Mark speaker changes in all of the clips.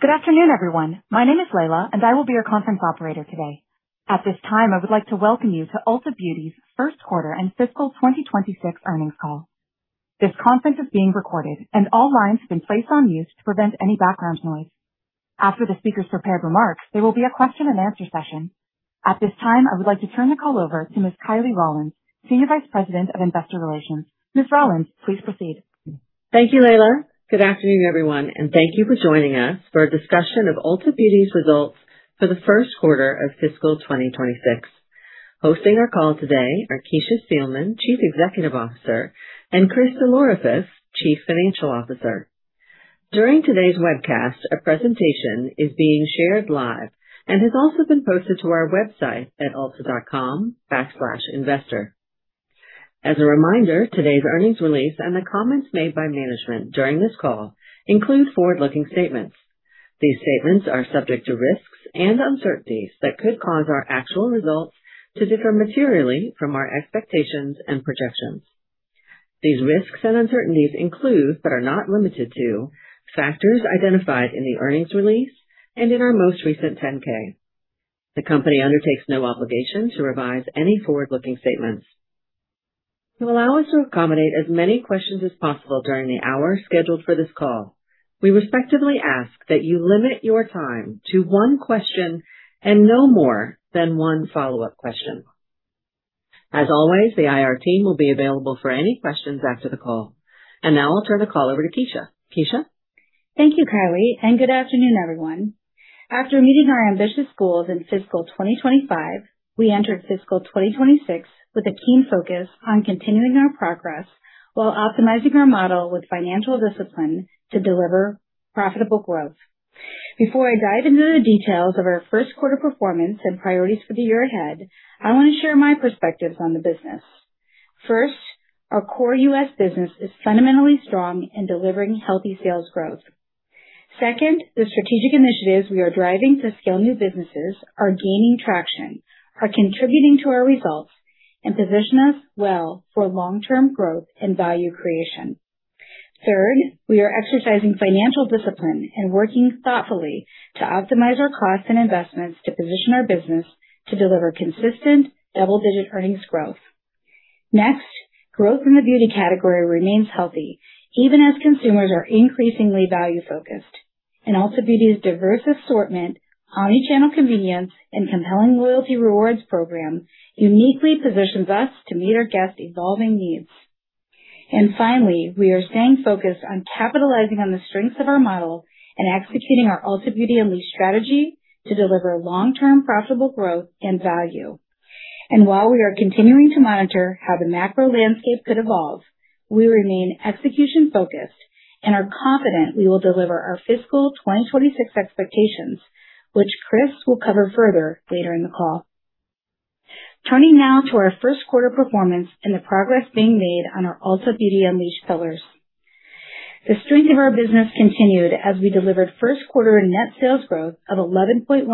Speaker 1: Good afternoon, everyone. My name is Layla, and I will be your conference operator today. At this time, I would like to welcome you to Ulta Beauty's first quarter and fiscal 2026 earnings call. This conference is being recorded, and all lines have been placed on mute to prevent any background noise. After the speaker's prepared remarks, there will be a question-and-answer session. At this time, I would like to turn the call over to Ms. Kiley Rawlins, Senior Vice President of Investor Relations. Ms. Rawlins, please proceed.
Speaker 2: Thank you, Layla. Good afternoon, everyone, thank you for joining us for a discussion of Ulta Beauty's results for the first quarter of fiscal 2026. Hosting our call today are Kecia Steelman, Chief Executive Officer, and Chris DelOrefice, Chief Financial Officer. During today's webcast, a presentation is being shared live and has also been posted to our website at ulta.com/investor. As a reminder, today's earnings release and the comments made by management during this call include forward-looking statements. These statements are subject to risks and uncertainties that could cause our actual results to differ materially from our expectations and projections. These risks and uncertainties include, but are not limited to, factors identified in the earnings release and in our most recent 10-K. The company undertakes no obligation to revise any forward-looking statements. To allow us to accommodate as many questions as possible during the hour scheduled for this call, we respectfully ask that you limit your time to one question and no more than one follow-up question. As always, the IR team will be available for any questions after the call. Now I'll turn the call over to Kecia. Kecia?
Speaker 3: Thank you, Kiley. Good afternoon, everyone. After meeting our ambitious goals in fiscal 2025, we entered fiscal 2026 with a keen focus on continuing our progress while optimizing our model with financial discipline to deliver profitable growth. Before I dive into the details of our first quarter performance and priorities for the year ahead, I want to share my perspectives on the business. First, our core U.S. business is fundamentally strong in delivering healthy sales growth. Second, the strategic initiatives we are driving to scale new businesses are gaining traction, are contributing to our results, and position us well for long-term growth and value creation. Third, we are exercising financial discipline and working thoughtfully to optimize our costs and investments to position our business to deliver consistent double-digit earnings growth. Growth in the beauty category remains healthy even as consumers are increasingly value-focused, and Ulta Beauty's diverse assortment, omnichannel convenience, and compelling loyalty rewards program uniquely positions us to meet our guests' evolving needs. Finally, we are staying focused on capitalizing on the strengths of our model and executing our Ulta Beauty Unleashed strategy to deliver long-term profitable growth and value. While we are continuing to monitor how the macro landscape could evolve, we remain execution-focused and are confident we will deliver our fiscal 2026 expectations, which Chris will cover further later in the call. Turning now to our first quarter performance and the progress being made on our Ulta Beauty Unleashed pillars. The strength of our business continued as we delivered first quarter net sales growth of 11.1%,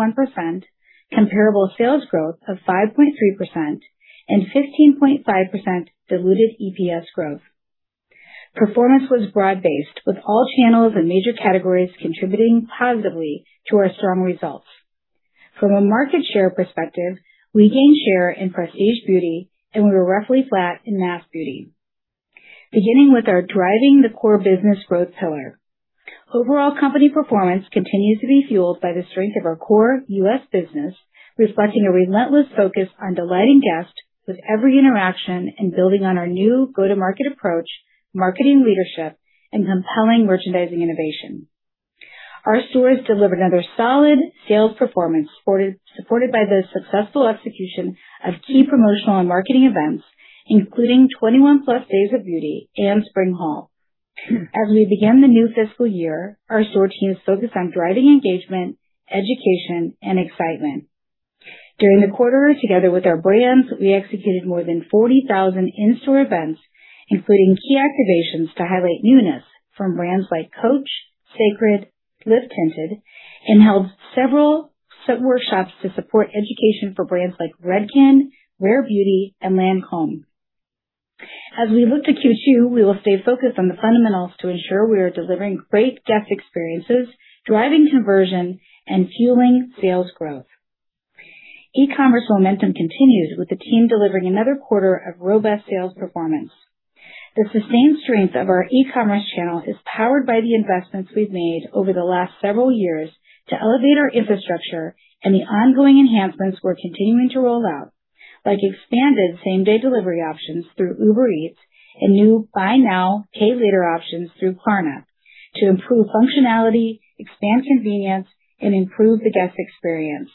Speaker 3: comparable sales growth of 5.3%, and 15.5% diluted EPS growth. Performance was broad-based, with all channels and major categories contributing positively to our strong results. From a market share perspective, we gained share in prestige beauty, and we were roughly flat in mass beauty. Beginning with our driving the core business growth pillar. Overall company performance continues to be fueled by the strength of our core U.S. business, reflecting a relentless focus on delighting guests with every interaction and building on our new go-to-market approach, marketing leadership, and compelling merchandising innovation. Our stores delivered another solid sales performance, supported by the successful execution of key promotional and marketing events, including 21+ Days of Beauty and Spring Haul. As we begin the new fiscal year, our store team is focused on driving engagement, education, and excitement. During the quarter, together with our brands, we executed more than 40,000 in-store events, including key activations to highlight newness from brands like Coach, Cécred, Live Tinted, and held several workshops to support education for brands like Redken, Rare Beauty, and Lancôme. As we look to Q2, we will stay focused on the fundamentals to ensure we are delivering great guest experiences, driving conversion, and fueling sales growth. E-commerce momentum continues, with the team delivering another quarter of robust sales performance. The sustained strength of our e-commerce channel is powered by the investments we've made over the last several years to elevate our infrastructure and the ongoing enhancements we're continuing to roll out, like expanded same-day delivery options through Uber Eats and new buy now, pay later options through Klarna to improve functionality, expand convenience, and improve the guest experience.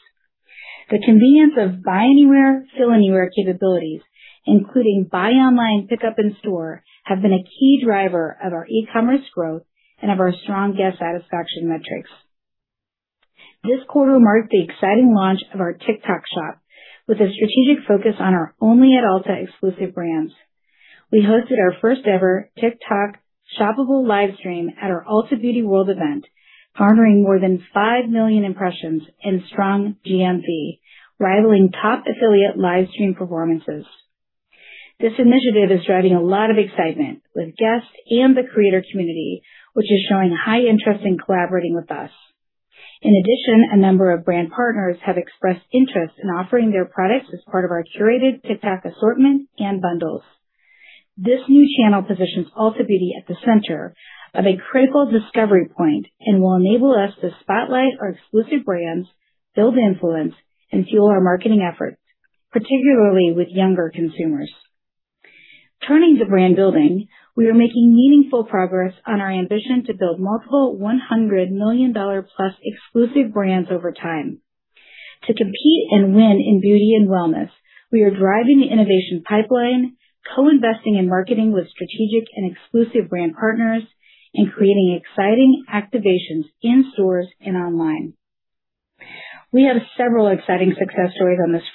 Speaker 3: The convenience of buy anywhere, fill anywhere capabilities, including buy online, pickup in store, have been a key driver of our e-commerce growth and of our strong guest satisfaction metrics. This quarter marked the exciting launch of our TikTok Shop with a strategic focus on our only at Ulta exclusive brands. We hosted our first ever TikTok shoppable live stream at our Ulta Beauty World event, garnering more than 5 million impressions and strong GMV, rivaling top affiliate live stream performances. This initiative is driving a lot of excitement with guests and the creator community, which is showing high interest in collaborating with us. A number of brand partners have expressed interest in offering their products as part of our curated TikTok assortment and bundles. This new channel positions Ulta Beauty at the center of a critical discovery point and will enable us to spotlight our exclusive brands, build influence, and fuel our marketing efforts, particularly with younger consumers. Turning to brand building, we are making meaningful progress on our ambition to build multiple $100+ million exclusive brands over time. To compete and win in beauty and wellness, we are driving the innovation pipeline, co-investing in marketing with strategic and exclusive brand partners, and creating exciting activations in stores and online. We have several exciting success story on this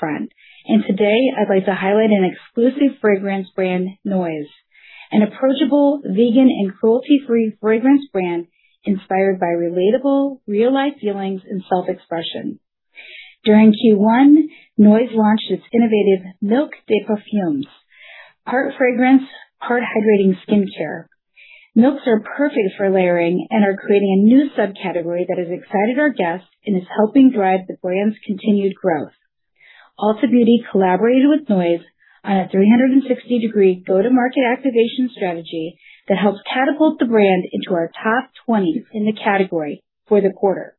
Speaker 3: brand. Today, I'd like to highlight an exclusive fragrance brand, NOYZ. An approachable, vegan, and cruelty-free fragrance brand inspired by relatable real-life feelings and self-expression. During Q1, NOYZ launched its innovative Mylk de Parfum. Part fragrance, part hydrating skincare. Mylk de Parfum are perfect for layering and are creating a new subcategory that has excited our guests and is helping drive the brand's continued growth. Ulta Beauty collaborated with NOYZ on a 360-degree go-to-market activation strategy that helped catapult the brand into our top 20 in the category for the quarter.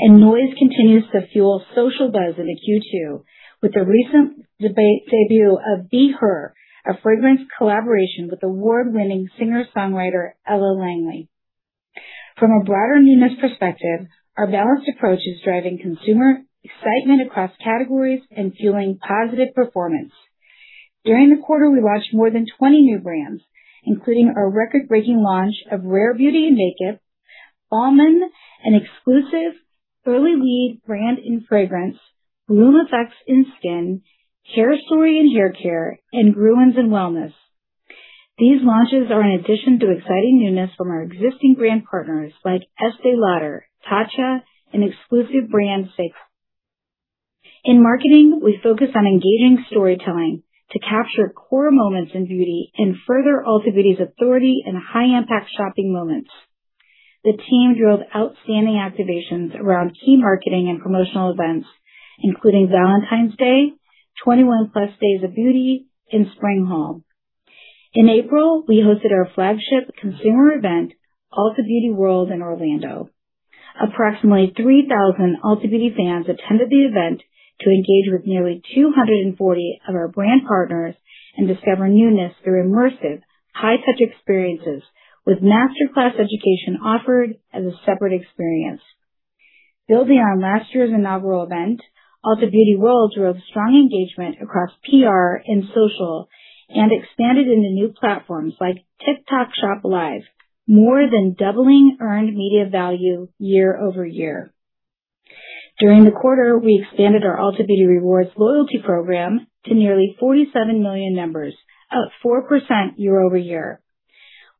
Speaker 3: NOYZ continues to fuel social buzz into Q2 with the recent debut of Be Her, a fragrance collaboration with award-winning singer-songwriter Ella Langley. From a broader newness perspective, our balanced approach is driving consumer excitement across categories and fueling positive performance. During the quarter, we launched more than 20 new brands, including our record-breaking launch of Rare Beauty in makeup, Almond, an exclusive early lead brand in fragrance, Bloomeffects in skin, Hairstory in haircare, and Grown in wellness. These launches are an addition to exciting newness from our existing brand partners like Estée Lauder, TATCHA, and exclusive brand Sake. In marketing, we focus on engaging storytelling to capture core moments in beauty and further Ulta Beauty's authority in high-impact shopping moments. The team drove outstanding activations around key marketing and promotional events, including Valentine's Day, 21+ Days of Beauty, and Spring Haul. In April, we hosted our flagship consumer event, Ulta Beauty World, in Orlando. Approximately 3,000 Ulta Beauty fans attended the event to engage with nearly 240 of our brand partners and discover newness through immersive, high-touch experiences, with master class education offered as a separate experience. Building on last year's inaugural event, Ulta Beauty World drove strong engagement across PR and social, and expanded into new platforms like TikTok Shop LIVE, more than doubling earned media value year-over-year. During the quarter, we expanded our Ulta Beauty Rewards loyalty program to nearly 47 million members, up 4% year-over-year.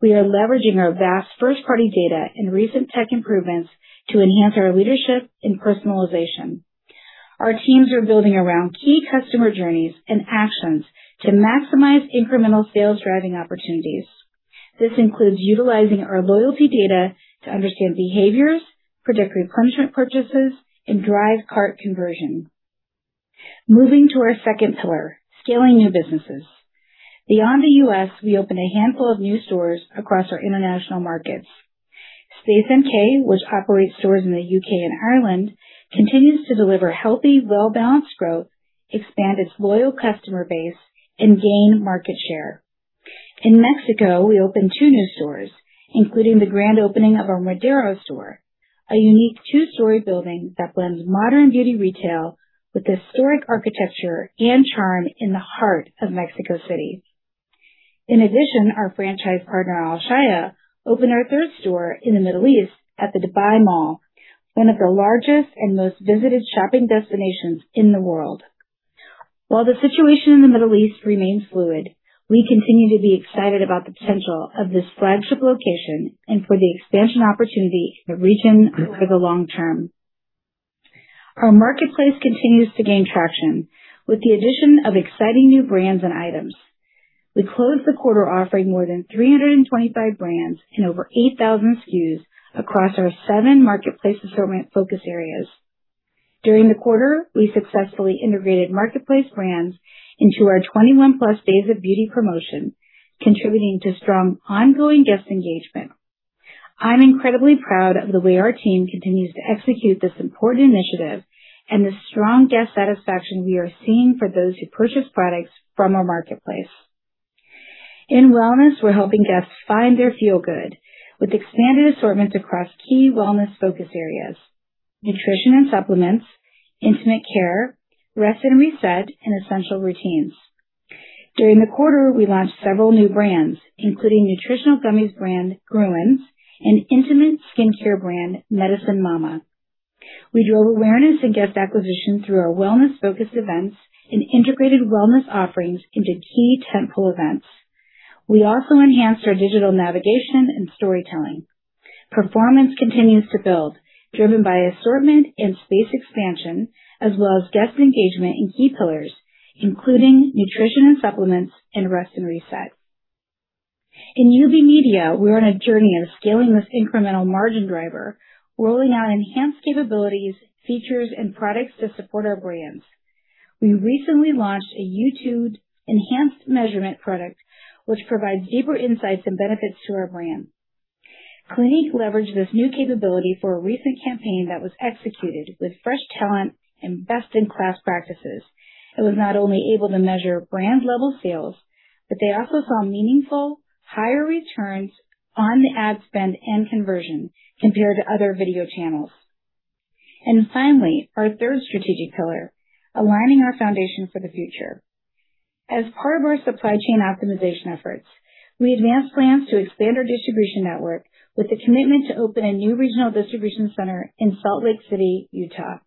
Speaker 3: We are leveraging our vast first-party data and recent tech improvements to enhance our leadership in personalization. Our teams are building around key customer journeys and actions to maximize incremental sales-driving opportunities. This includes utilizing our loyalty data to understand behaviors, predict replenishment purchases, and drive cart conversion. Moving to our second pillar, scaling new businesses. Beyond the U.S., we opened a handful of new stores across our international markets. Space NK, which operates stores in the U.K. and Ireland, continues to deliver healthy, well-balanced growth, expand its loyal customer base, and gain market share. In Mexico, we opened two new stores, including the grand opening of our Madero store, a unique two-story building that blends modern beauty retail with historic architecture and charm in the heart of Mexico City. In addition, our franchise partner, Alshaya, opened our third store in the Middle East at the Dubai Mall, one of the largest and most visited shopping destinations in the world. While the situation in the Middle East remains fluid, we continue to be excited about the potential of this flagship location and for the expansion opportunity in the region over the long term. Our marketplace continues to gain traction with the addition of exciting new brands and items. We closed the quarter offering more than 325 brands and over 8,000 SKUs across our seven marketplace assortment focus areas. During the quarter, we successfully integrated marketplace brands into our 21+ Days of Beauty promotion, contributing to strong ongoing guest engagement. I'm incredibly proud of the way our team continues to execute this important initiative and the strong guest satisfaction we are seeing for those who purchase products from our marketplace. In wellness, we're helping guests find their feel-good with expanded assortments across key wellness focus areas, nutrition and supplements, intimate care, rest and reset, and essential routines. During the quarter, we launched several new brands, including nutritional gummies brand Grüns and intimate skincare brand Medicine Mama. We drove awareness and guest acquisition through our wellness-focused events and integrated wellness offerings into key tentpole events. We also enhanced our digital navigation and storytelling. Performance continues to build, driven by assortment and space expansion, as well as guest engagement in key pillars, including nutrition and supplements and rest and reset. In UB Media, we are on a journey of scaling this incremental margin driver, rolling out enhanced capabilities, features, and products to support our brands. We recently launched a YouTube enhanced measurement product, which provides deeper insights and benefits to our brand. Clinique leveraged this new capability for a recent campaign that was executed with fresh talent and best-in-class practices. It was not only able to measure brand-level sales, but they also saw meaningful higher returns on the ad spend and conversion compared to other video channels. Finally, our third strategic pillar, aligning our foundation for the future. As part of our supply chain optimization efforts, we advanced plans to expand our distribution network with the commitment to open a new regional distribution center in Salt Lake City, Utah.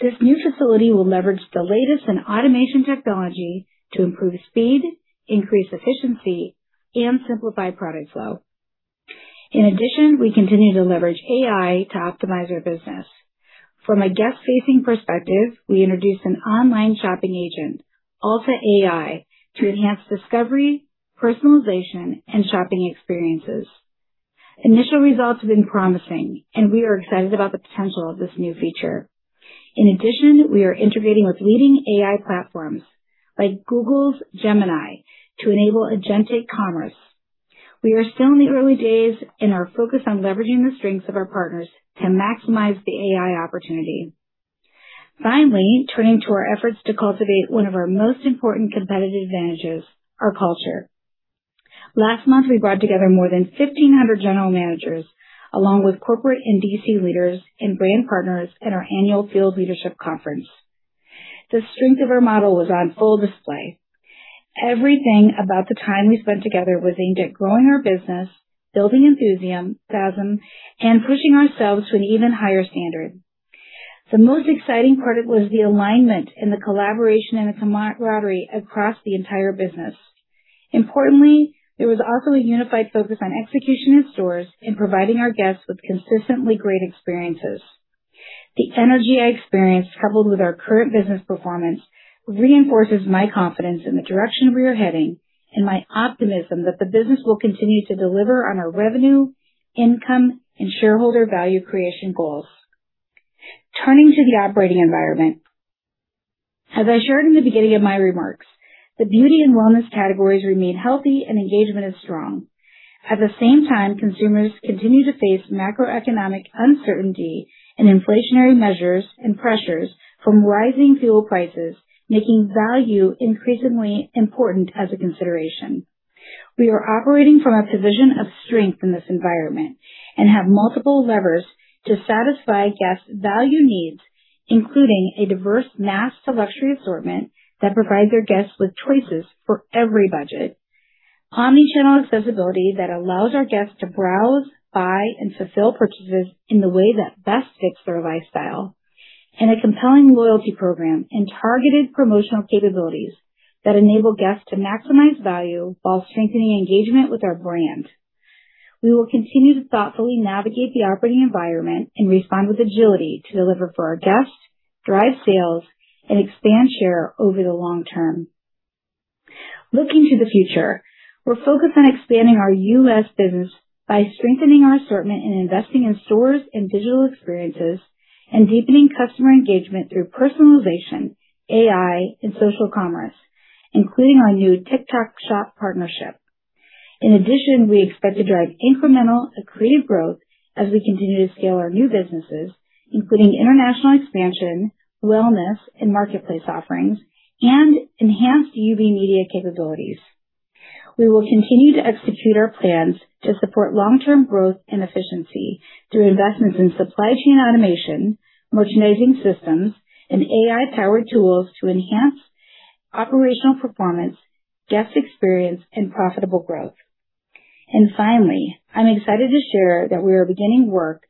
Speaker 3: This new facility will leverage the latest in automation technology to improve speed, increase efficiency, and simplify product flow. We continue to leverage AI to optimize our business. From a guest-facing perspective, we introduced an online shopping agent, Ulta AI, to enhance discovery, personalization, and shopping experiences. Initial results have been promising. We are excited about the potential of this new feature. We are integrating with leading AI platforms like Google's Gemini to enable agentic commerce. We are still in the early days in our focus on leveraging the strengths of our partners to maximize the AI opportunity. Turning to our efforts to cultivate one of our most important competitive advantages, our culture. Last month, we brought together more than 1,500 general managers, along with corporate and D.C. leaders and brand partners in our annual Field Leadership Conference. The strength of our model was on full display. Everything about the time we spent together was aimed at growing our business, building enthusiasm, and pushing ourselves to an even higher standard. The most exciting part was the alignment and the collaboration and the camaraderie across the entire business. Importantly, there was also a unified focus on execution in stores and providing our guests with consistently great experiences. The energy I experienced, coupled with our current business performance, reinforces my confidence in the direction we are heading and my optimism that the business will continue to deliver on our revenue, income, and shareholder value creation goals. Turning to the operating environment. As I shared in the beginning of my remarks, the beauty and wellness categories remain healthy and engagement is strong. At the same time, consumers continue to face macroeconomic uncertainty and inflationary measures and pressures from rising fuel prices, making value increasingly important as a consideration. We are operating from a position of strength in this environment and have multiple levers to satisfy guests' value needs, including a diverse mass-to-luxury assortment that provides our guests with choices for every budget. Omnichannel accessibility that allows our guests to browse, buy, and fulfill purchases in the way that best fits their lifestyle, and a compelling loyalty program and targeted promotional capabilities that enable guests to maximize value while strengthening engagement with our brand. We will continue to thoughtfully navigate the operating environment and respond with agility to deliver for our guests, drive sales, and expand share over the long term. Looking to the future, we're focused on expanding our U.S. business by strengthening our assortment and investing in stores and digital experiences, and deepening customer engagement through personalization, AI, and social commerce, including our new TikTok Shop partnership. In addition, we expect to drive incremental accretive growth as we continue to scale our new businesses, including international expansion, wellness, and marketplace offerings, and enhanced UB Media capabilities. We will continue to execute our plans to support long-term growth and efficiency through investments in supply chain automation, merchandising systems, and AI-powered tools to enhance operational performance, guest experience, and profitable growth. Finally, I'm excited to share that we are beginning work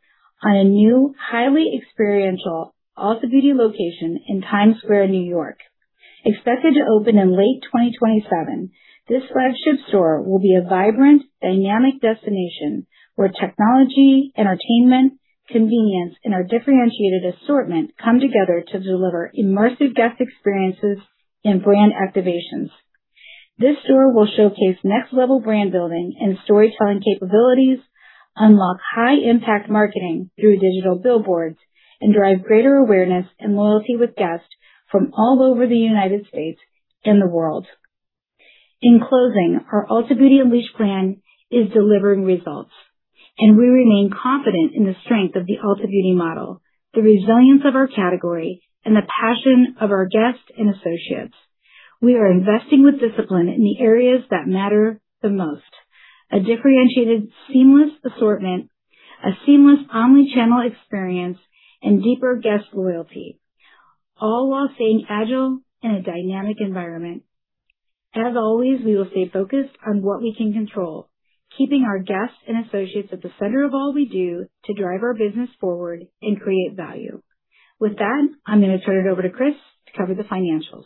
Speaker 3: on a new, highly experiential Ulta Beauty location in Times Square, New York. Expected to open in late 2027, this flagship store will be a vibrant, dynamic destination where technology, entertainment, convenience, and our differentiated assortment come together to deliver immersive guest experiences and brand activations. This store will showcase next-level brand building and storytelling capabilities, unlock high-impact marketing through digital billboards, and drive greater awareness and loyalty with guests from all over the U.S. and the world. In closing, our Ulta Beauty Unleashed plan is delivering results, and we remain confident in the strength of the Ulta Beauty model, the resilience of our category, and the passion of our guests and associates. We are investing with discipline in the areas that matter the most, a differentiated, seamless assortment, a seamless omnichannel experience, and deeper guest loyalty, all while staying agile in a dynamic environment. As always, we will stay focused on what we can control, keeping our guests and associates at the center of all we do to drive our business forward and create value. With that, I'm going to turn it over to Chris to cover the financials.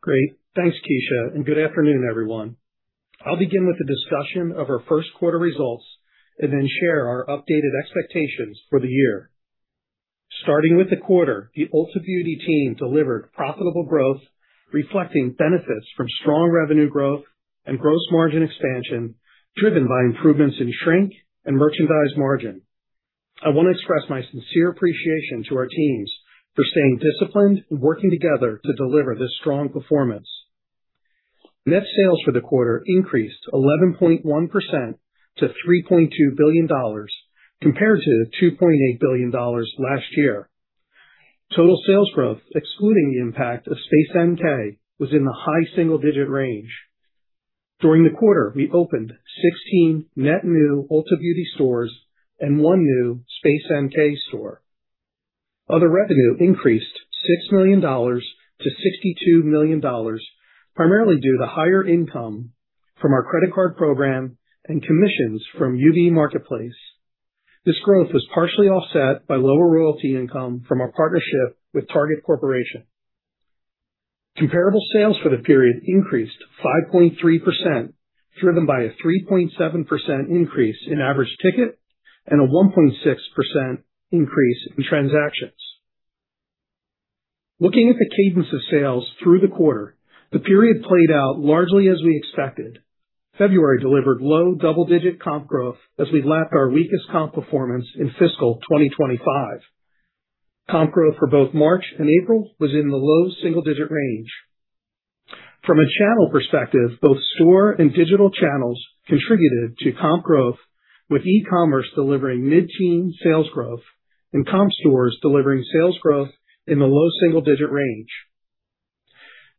Speaker 4: Great. Thanks, Kecia, and good afternoon, everyone. I'll begin with a discussion of our first quarter results and then share our updated expectations for the year. Starting with the quarter, the Ulta Beauty team delivered profitable growth, reflecting benefits from strong revenue growth and gross margin expansion, driven by improvements in shrink and merchandise margin. I want to express my sincere appreciation to our teams for staying disciplined and working together to deliver this strong performance. Net sales for the quarter increased 11.1% to $3.2 billion compared to $2.8 billion last year. Total sales growth, excluding the impact of Space NK, was in the high single-digit range. During the quarter, we opened 16 net new Ulta Beauty stores and one new Space NK store. Other revenue increased $6 million to $62 million, primarily due to higher income from our credit card program and commissions from UB Marketplace. This growth was partially offset by lower royalty income from our partnership with Target Corporation. Comparable sales for the period increased 5.3%, driven by a 3.7% increase in average ticket and a 1.6% increase in transactions. Looking at the cadence of sales through the quarter, the period played out largely as we expected. February delivered low double-digit comp growth as we lapped our weakest comp performance in fiscal 2025. Comp growth for both March and April was in the low single-digit range. From a channel perspective, both store and digital channels contributed to comp growth, with e-commerce delivering mid-teen sales growth and comp stores delivering sales growth in the low single-digit range.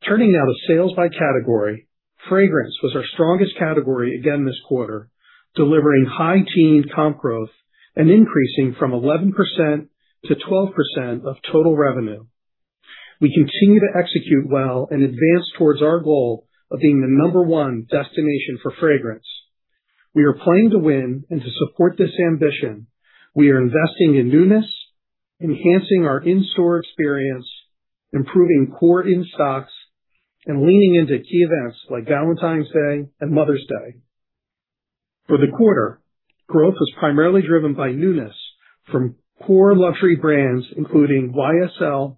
Speaker 4: Turning now to sales by category. Fragrance was our strongest category again this quarter, delivering high teen comp growth and increasing from 11%-12% of total revenue. We continue to execute well and advance towards our goal of being the number one destination for fragrance. We are playing to win and to support this ambition, we are investing in newness, enhancing our in-store experience, improving core in-stocks, and leaning into key events like Valentine's Day and Mother's Day. For the quarter, growth was primarily driven by newness from core luxury brands including YSL,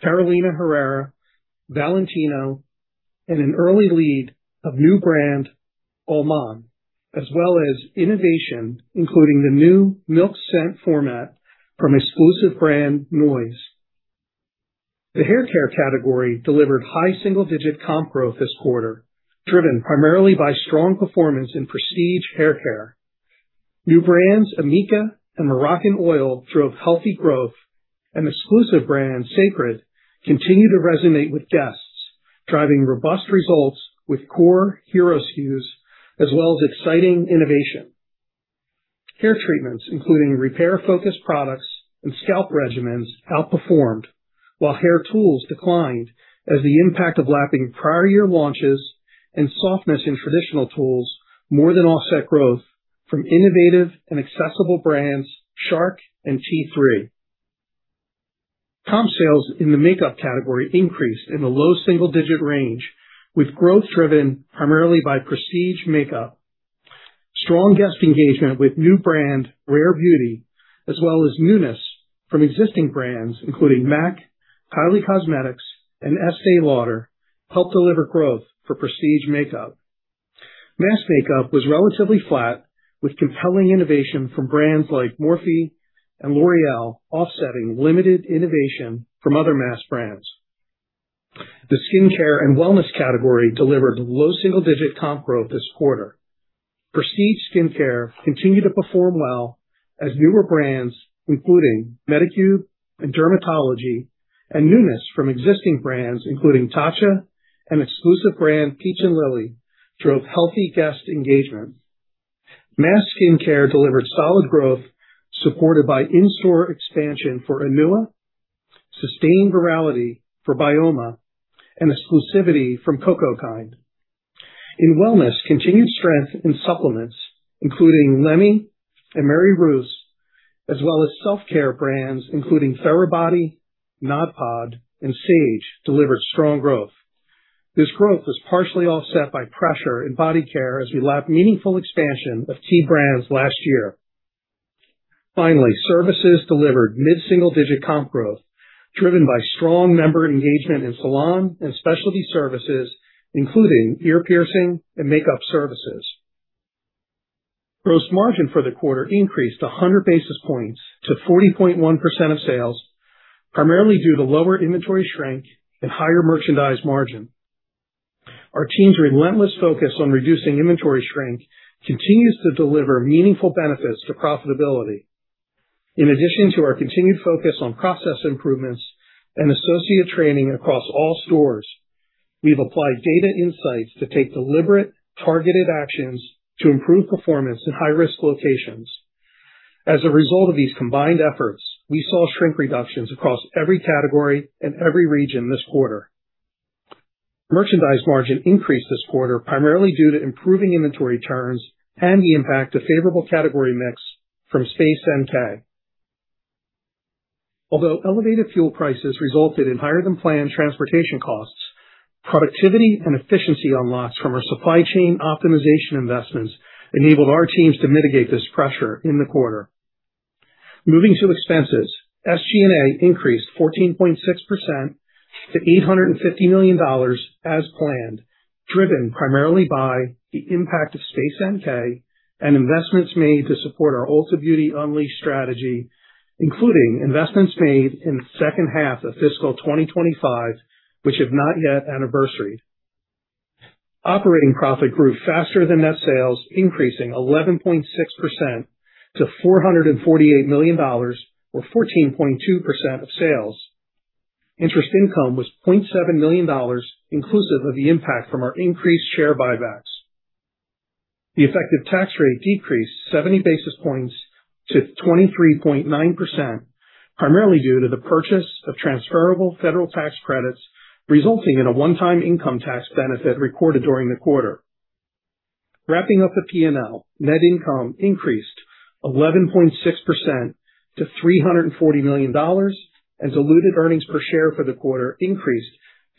Speaker 4: Carolina Herrera, Valentino, and an early lead of new brand, UOMA, as well as innovation, including the new Mylk scent [for men] from exclusive brand NOYZ. The haircare category delivered high single-digit comp growth this quarter, driven primarily by strong performance in prestige haircare. New brands amika and Moroccanoil drove healthy growth, and exclusive brand Cécred continue to resonate with guests, driving robust results with core hero SKUs as well as exciting innovation. Hair treatments, including repair focused products and scalp regimens, outperformed, while hair tools declined as the impact of lapping prior year launches and softness in traditional tools more than offset growth from innovative and accessible brands Shark and T3. Comp sales in the makeup category increased in the low single-digit range, with growth driven primarily by prestige makeup. Strong guest engagement with new brand Rare Beauty, as well as newness from existing brands including MAC, Kylie Cosmetics, and Estée Lauder helped deliver growth for prestige makeup. Mass makeup was relatively flat, with compelling innovation from brands like Morphe and L'Oréal offsetting limited innovation from other mass brands. The skincare and wellness category delivered low single-digit comp growth this quarter. Prestige skincare continued to perform well as newer brands, including medicube and DRMTLGY, and newness from existing brands, including TATCHA and exclusive brand Peach & Lily, drove healthy guest engagement. Mass skincare delivered solid growth, supported by in-store expansion for Anua, sustained virality for BYOMA, and exclusivity from cocokind. In wellness, continued strength in supplements including Lemme and MaryRuth's, as well as self-care brands including Therabody, Nodpod, and Saje delivered strong growth. This growth was partially offset by pressure in body care as we lapped meaningful expansion of key brands last year. Finally, services delivered mid-single digit comp growth, driven by strong member engagement in salon and specialty services, including ear piercing and makeup services. Gross margin for the quarter increased 100 basis points to 40.1% of sales, primarily due to lower inventory shrink and higher merchandise margin. Our team's relentless focus on reducing inventory shrink continues to deliver meaningful benefits to profitability. In addition to our continued focus on process improvements and associate training across all stores, we've applied data insights to take deliberate, targeted actions to improve performance in high-risk locations. As a result of these combined efforts, we saw shrink reductions across every category and every region this quarter. Merchandise margin increased this quarter, primarily due to improving inventory turns and the impact of favorable category mix from Space NK. Elevated fuel prices resulted in higher than planned transportation costs, productivity and efficiency unlocks from our supply chain optimization investments enabled our teams to mitigate this pressure in the quarter. Moving to expenses, SG&A increased 14.6% to $850 million as planned, driven primarily by the impact of Space NK and investments made to support our Ulta Beauty Unleashed strategy, including investments made in the second half of fiscal 2025, which have not yet anniversaried. Operating profit grew faster than net sales, increasing 11.6% to $448 million, or 14.2% of sales. Interest income was $0.7 million, inclusive of the impact from our increased share buybacks. The effective tax rate decreased 70 basis points to 23.9%, primarily due to the purchase of transferable federal tax credits, resulting in a one-time income tax benefit recorded during the quarter. Wrapping up the P&L, net income increased 11.6% to $340 million, and diluted earnings per share for the quarter increased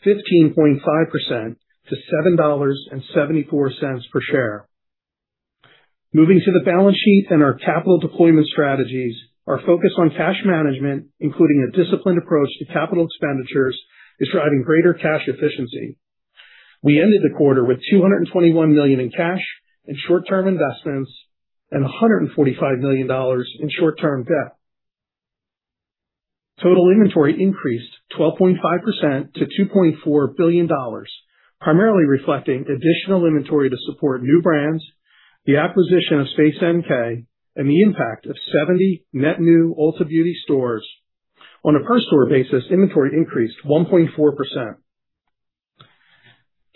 Speaker 4: 15.5% to $7.74 per share. Moving to the balance sheet and our capital deployment strategies, our focus on cash management, including a disciplined approach to capital expenditures, is driving greater cash efficiency. We ended the quarter with $221 million in cash and short-term investments and $145 million in short-term debt. Total inventory increased 12.5% to $2.4 billion, primarily reflecting additional inventory to support new brands, the acquisition of Space NK, and the impact of 70 net new Ulta Beauty stores. On a per store basis, inventory increased 1.4%.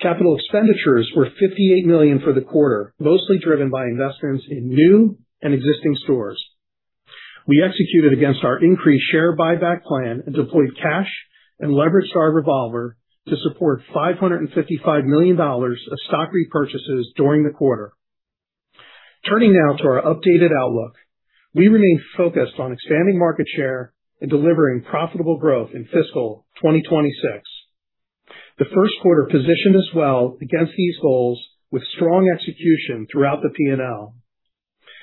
Speaker 4: Capital expenditures were $58 million for the quarter, mostly driven by investments in new and existing stores. We executed against our increased share buyback plan and deployed cash and leveraged our revolver to support $555 million of stock repurchases during the quarter. Turning now to our updated outlook. We remain focused on expanding market share and delivering profitable growth in fiscal 2026. The first quarter positioned us well against these goals with strong execution throughout the P&L.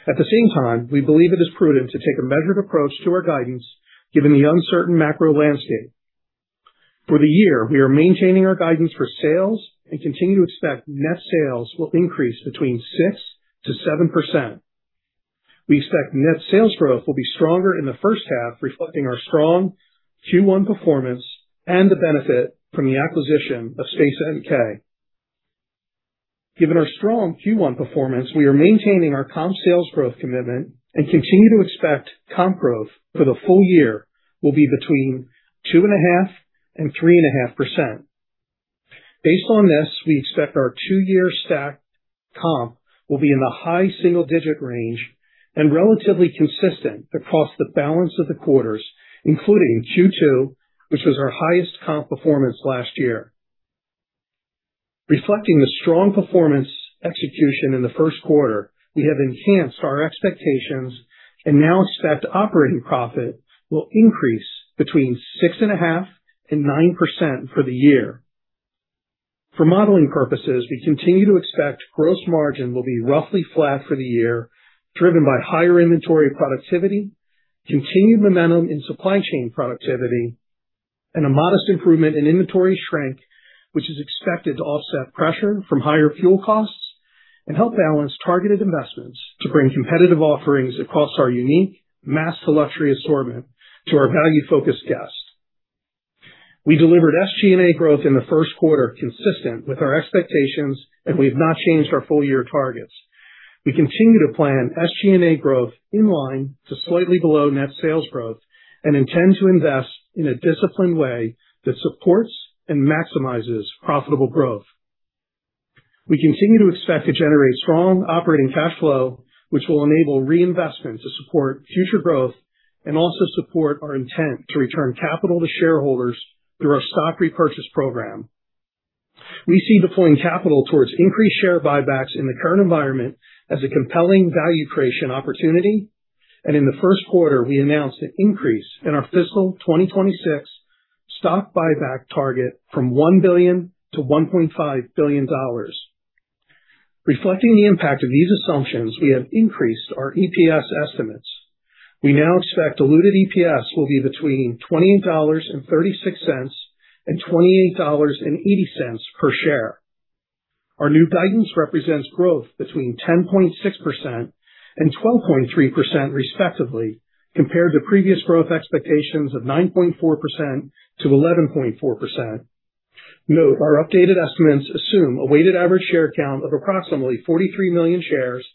Speaker 4: At the same time, we believe it is prudent to take a measured approach to our guidance given the uncertain macro landscape. For the year, we are maintaining our guidance for sales and continue to expect net sales will increase between 6%-7%. We expect net sales growth will be stronger in the first half, reflecting our strong Q1 performance and the benefit from the acquisition of Space NK. Given our strong Q1 performance, we are maintaining our comp sales growth commitment and continue to expect comp growth for the full year will be between 2.5% and 3.5%. Based on this, we expect our two-year stacked comp will be in the high single-digit range and relatively consistent across the balance of the quarters, including Q2, which was our highest comp performance last year. Reflecting the strong performance execution in the first quarter, we have enhanced our expectations and now expect operating profit will increase between 6.5% and 9% for the year. For modeling purposes, we continue to expect gross margin will be roughly flat for the year, driven by higher inventory productivity, continued momentum in supply chain productivity, and a modest improvement in inventory shrink, which is expected to offset pressure from higher fuel costs and help balance targeted investments to bring competitive offerings across our unique mass-to-luxury assortment to our value-focused guests. We delivered SG&A growth in the first quarter, consistent with our expectations, and we've not changed our full year targets. We continue to plan SG&A growth in line to slightly below net sales growth and intend to invest in a disciplined way that supports and maximizes profitable growth. We continue to expect to generate strong operating cash flow, which will enable reinvestment to support future growth and also support our intent to return capital to shareholders through our stock repurchase program. We see deploying capital towards increased share buybacks in the current environment as a compelling value creation opportunity, and in the first quarter, we announced an increase in our fiscal 2026 stock buyback target from $1 billion-$1.5 billion. Reflecting the impact of these assumptions, we have increased our EPS estimates. We now expect diluted EPS will be between $28.36 and $28.80 per share. Our new guidance represents growth between 10.6% and 12.3% respectively, compared to previous growth expectations of 9.4%-11.4%. Note, our updated estimates assume a weighted average share count of approximately 43 million shares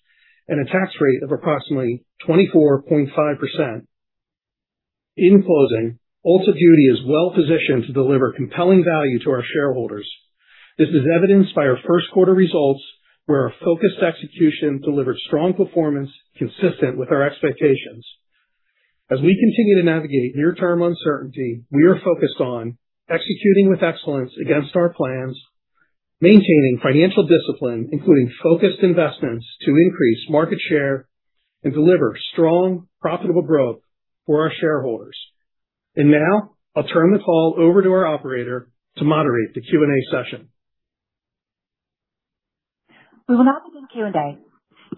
Speaker 4: and a tax rate of approximately 24.5%. In closing, Ulta Beauty is well positioned to deliver compelling value to our shareholders. This is evidenced by our first quarter results, where our focused execution delivered strong performance consistent with our expectations. As we continue to navigate near-term uncertainty, we are focused on executing with excellence against our plans, maintaining financial discipline, including focused investments to increase market share and deliver strong, profitable growth for our shareholders. Now I'll turn the call over to our operator to moderate the Q&A session.
Speaker 1: We will now begin Q&A.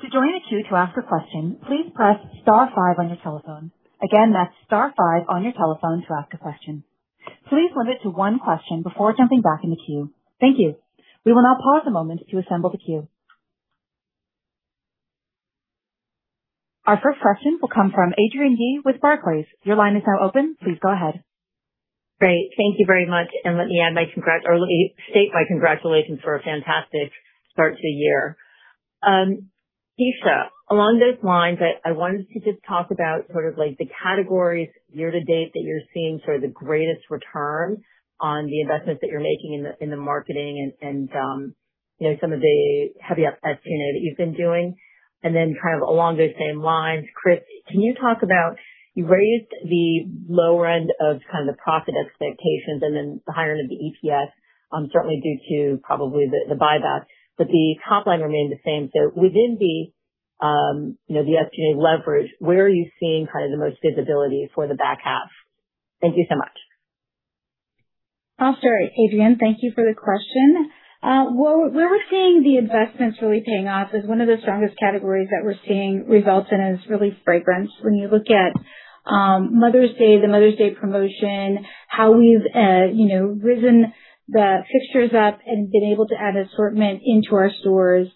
Speaker 1: To join the queue to ask a question, please press star five on your telephone. Again, that's star five on your telephone to ask a question. Please limit to one question before jumping back in the queue. Thank you. We will now pause a moment to assemble the queue. Our first question will come from Adrienne Yih with Barclays. Your line is now open. Please go ahead.
Speaker 5: Great. Thank you very much, and let me state my congratulations for a fantastic start to the year. Kecia, along those lines, I wanted to just talk about sort of the categories year to date that you're seeing sort of the greatest return on the investments that you're making in the marketing and some of the heavy ups, you know, that you've been doing. Kind of along those same lines, Chris, can you talk about, you raised the lower end of kind of the profit expectations and then the higher end of the EPS, certainly due to probably the buyback. The top line remained the same, so within the SG&A leverage, where are you seeing kind of the most visibility for the back half? Thank you so much.
Speaker 3: I'll start, Adrienne. Thank you for the question. Where we're seeing the investments really paying off is one of the strongest categories that we're seeing results in is really fragrance. When you look at Mother's Day, the Mother's Day promotion, how we've risen the fixtures up and been able to add assortment into our stores,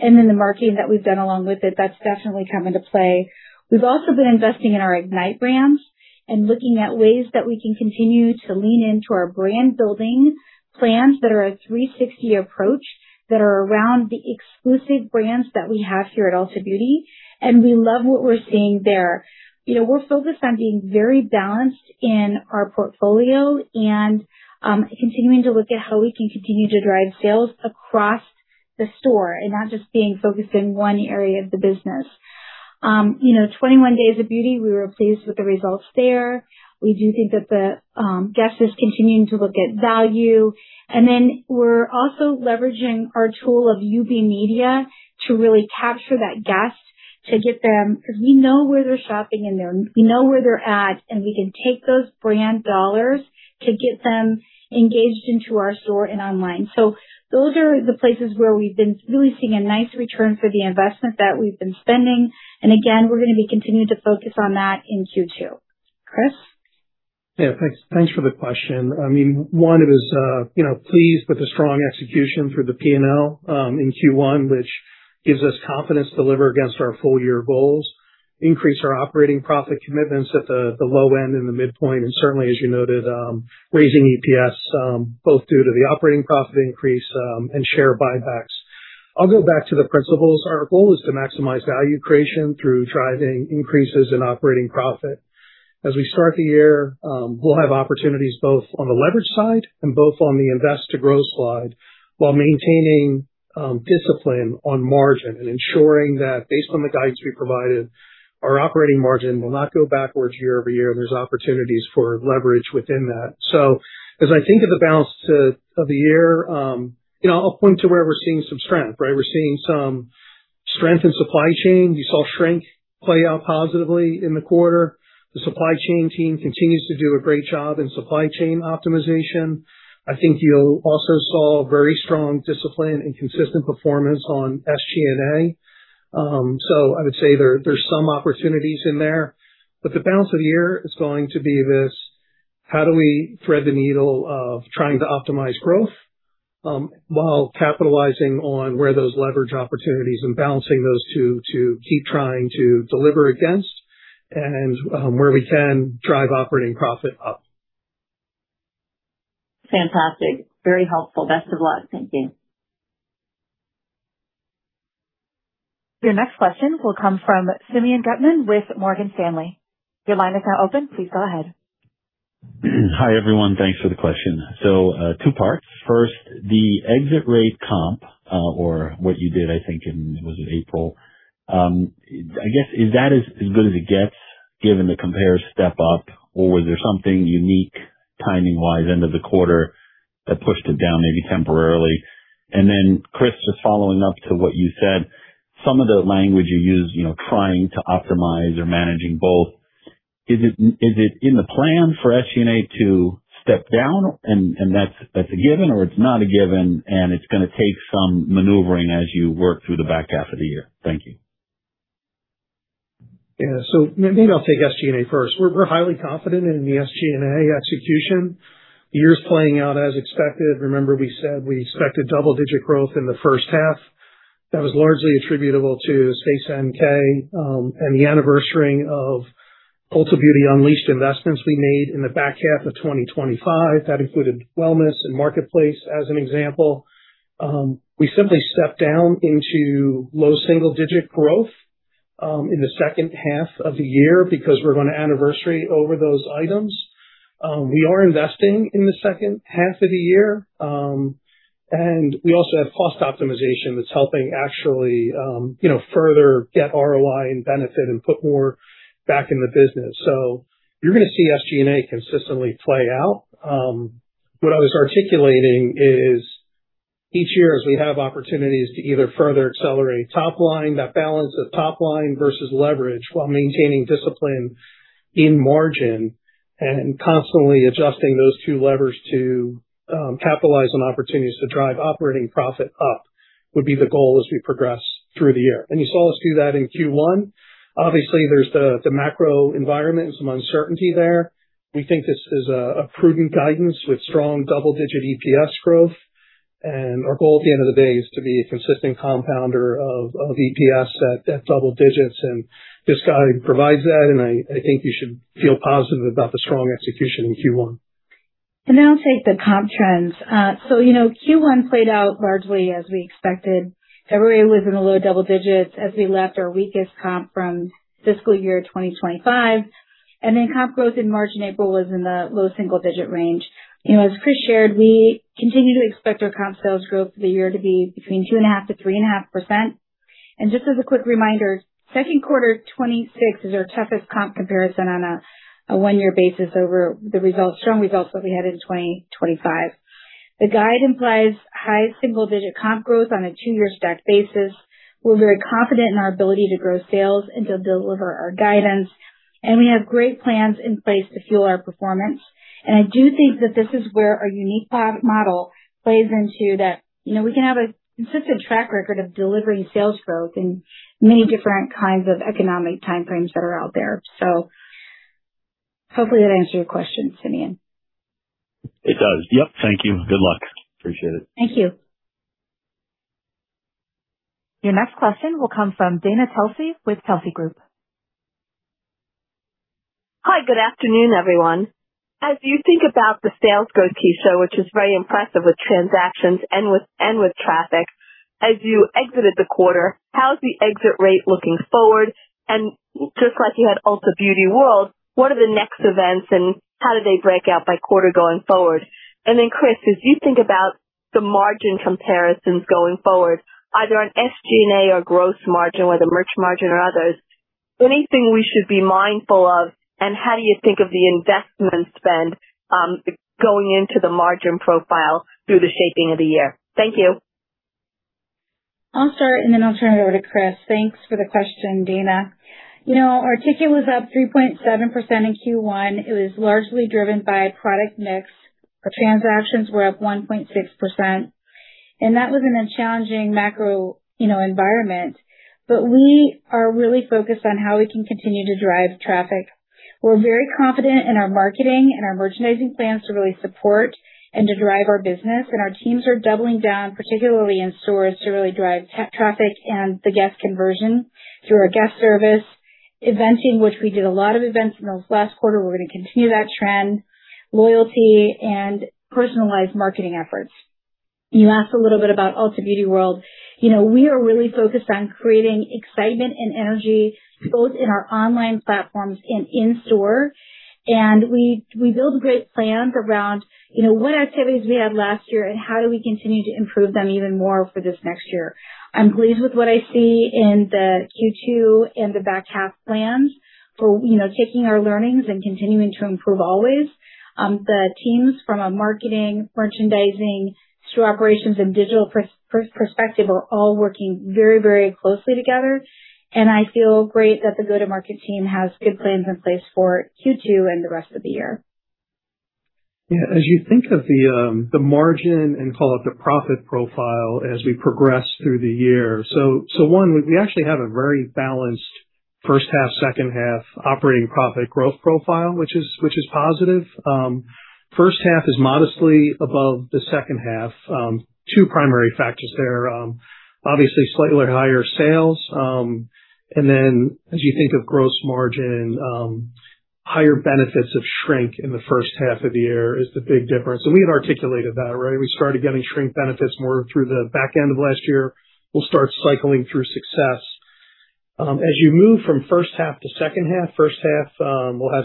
Speaker 3: and then the marketing that we've done along with it, that's definitely come into play. We've also been investing in our Ignite brands and looking at ways that we can continue to lean into our brand-building plans that are a 360 approach, that are around the exclusive brands that we have here at Ulta Beauty, and we love what we're seeing there. We're focused on being very balanced in our portfolio and continuing to look at how we can continue to drive sales across the store and not just being focused in one area of the business. 21+ Days of Beauty, we were pleased with the results there. We do think that the guest is continuing to look at value. We're also leveraging our tool of UB Media to really capture that guest because we know where they're shopping and we know where they're at, and we can take those brand dollars to get them engaged into our store and online. Those are the places where we've been really seeing a nice return for the investment that we've been spending. We're going to be continuing to focus on that in Q2. Chris?
Speaker 4: Yeah, thanks for the question. One, it is pleased with the strong execution for the P&L in Q1, which gives us confidence to deliver against our full-year goals, increase our operating profit commitments at the low end and the midpoint, and certainly, as you noted, raising EPS, both due to the operating profit increase and share buybacks. I'll go back to the principles. Our goal is to maximize value creation through driving increases in operating profit. As we start the year, we'll have opportunities both on the leverage side and both on the invest-to-grow slide while maintaining discipline on margin and ensuring that based on the guidance we provided, our operating margin will not go backwards year-over-year, and there's opportunities for leverage within that. As I think of the balance of the year, I'll point to where we're seeing some strength, right? We're seeing some strength in supply chain. You saw shrink play out positively in the quarter. The supply chain team continues to do a great job in supply chain optimization. I think you also saw very strong discipline and consistent performance on SG&A. I would say there's some opportunities in there, but the balance of the year is going to be this, how do we thread the needle of trying to optimize growth while capitalizing on where those leverage opportunities and balancing those two to keep trying to deliver against and where we can drive operating profit up.
Speaker 5: Fantastic. Very helpful. Best of luck. Thank you.
Speaker 1: Your next question will come from Simeon Gutman with Morgan Stanley. Your line is now open. Please go ahead.
Speaker 6: Hi, everyone. Thanks for the question. Two parts. First, the exit rate comp, or what you did, I think in, was it April? I guess, is that as good as it gets given the compare step up, or was there something unique timing-wise end of the quarter that pushed it down, maybe temporarily? Chris, just following up to what you said, some of the language you used, trying to optimize or managing both, is it in the plan for SG&A to step down, and that's a given, or it's not a given, and it's going to take some maneuvering as you work through the back half of the year? Thank you.
Speaker 4: Maybe I'll take SG&A first. We're highly confident in the SG&A execution. The year's playing out as expected. Remember we said we expected double-digit growth in the first half. That was largely attributable to Space NK and the anniversarying of Ulta Beauty Unleashed investments we made in the back half of 2025. That included wellness and marketplace, as an example. We simply stepped down into low single-digit growth in the second half of the year because we're going to anniversary over those items. We are investing in the second half of the year, and we also have cost optimization that's helping actually further get ROI and benefit and put more back in the business. You're going to see SG&A consistently play out. What I was articulating is each year, as we have opportunities to either further accelerate top line, that balance of top line versus leverage while maintaining discipline in margin, and constantly adjusting those two levers to capitalize on opportunities to drive operating profit up would be the goal as we progress through the year. You saw us do that in Q1. Obviously, there's the macro environment and some uncertainty there. We think this is a prudent guidance with strong double-digit EPS growth. Our goal at the end of the day is to be a consistent compounder of EPS at double digits. This guide provides that, and I think you should feel positive about the strong execution in Q1.
Speaker 3: I'll take the comp trends. Q1 played out largely as we expected. February was in the low double digits as we left our weakest comp from fiscal year 2025, comp growth in March and April was in the low single-digit range. As Chris shared, we continue to expect our comp sales growth for the year to be between 2.5%-3.5%. Just as a quick reminder, second quarter 2026 is our toughest comp comparison on a one-year basis over the strong results that we had in 2025. The guide implies high single-digit comp growth on a two-year stacked basis. We're very confident in our ability to grow sales and to deliver our guidance, we have great plans in place to fuel our performance. I do think that this is where our unique product model plays into that. We can have a consistent track record of delivering sales growth in many different kinds of economic time frames that are out there. Hopefully that answers your question, Simeon.
Speaker 6: It does. Yep. Thank you. Good luck. Appreciate it.
Speaker 3: Thank you.
Speaker 1: Your next question will come from Dana Telsey with Telsey Group.
Speaker 7: Hi. Good afternoon, everyone. As you think about the sales growth, Kecia, which is very impressive with transactions and with traffic, as you exited the quarter, how's the exit rate looking forward? Just like you had Ulta Beauty World, what are the next events, and how do they break out by quarter going forward? Chris, as you think about the margin comparisons going forward, either on SG&A or gross margin, whether merch margin or others, anything we should be mindful of, and how do you think of the investment spend going into the margin profile through the shaping of the year? Thank you.
Speaker 3: I'll start, then I'll turn it over to Chris. Thanks for the question, Dana. Our ticket was up 3.7% in Q1. It was largely driven by product mix. Our transactions were up 1.6%. That was in a challenging macro environment. We are really focused on how we can continue to drive traffic. We're very confident in our marketing and our merchandising plans to really support and to drive our business. Our teams are doubling down, particularly in stores, to really drive traffic and the guest conversion through our guest service, eventing, which we did a lot of events in the last quarter. We're going to continue that trend. Loyalty and personalized marketing efforts. You asked a little bit about Ulta Beauty World. We are really focused on creating excitement and energy both in our online platforms and in store. We build great plans around what activities we had last year and how do we continue to improve them even more for this next year. I'm pleased with what I see in the Q2 and the back half plans for taking our learnings and continuing to improve always. The teams from a marketing, merchandising through operations and digital perspective are all working very closely together, and I feel great that the go-to-market team has good plans in place for Q2 and the rest of the year.
Speaker 4: As you think of the margin and call it the profit profile as we progress through the year. One, we actually have a very balanced first half, second half operating profit growth profile, which is positive. First half is modestly above the second half. Two primary factors there. Obviously, slightly higher sales. As you think of gross margin, higher benefits of shrink in the first half of the year is the big difference. We had articulated that, right? We started getting shrink benefits more through the back end of last year. We'll start cycling through success. As you move from first half to second half, first half will have